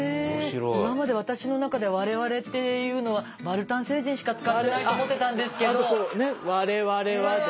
今までわたしの中で「われわれ」っていうのはバルタン星人しか使ってないと思ってたんですけど。